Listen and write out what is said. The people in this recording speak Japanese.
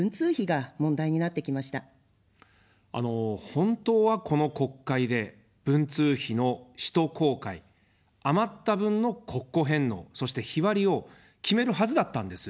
本当はこの国会で文通費の使途公開、余った分の国庫返納、そして日割りを決めるはずだったんです。